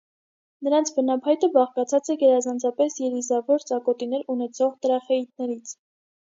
Նրանց բնափայտը բաղկացած է գերազանցապես երիզավոր ծակոտիներ ունեցող տրախեիդներից։